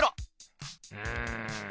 うん。